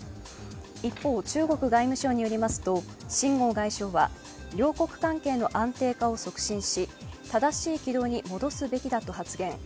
一方、中国外務省によりますと、秦剛外相は、両国関係の安定化を促進し、正しい軌道に戻すべきだと発言。